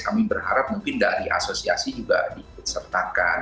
kami berharap mungkin dari asosiasi juga diikutsertakan